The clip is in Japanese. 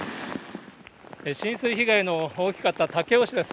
浸水被害の大きかった武雄市です。